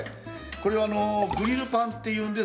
これグリルパンっていうんです